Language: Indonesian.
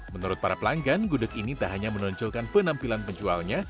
menurut para pelanggan gudeg ini tak hanya menonjolkan penampilan penjualnya